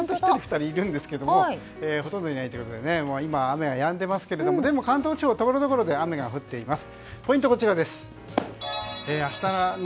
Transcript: １人、２人はいるんですがほとんどいないということで今、雨はやんでいますけどでも関東地方ところどころで雨が降っています。